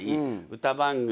歌番組